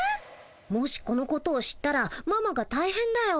もしこのことを知ったらママがたいへんだよ。